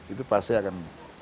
itu pasti akan